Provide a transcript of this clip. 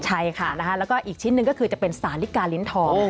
ใช่ค่ะแล้วก็อีกชิ้นหนึ่งก็คือจะเป็นสาลิกาลิ้นทอง